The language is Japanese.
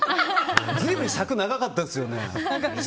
随分、尺が長かったですよね。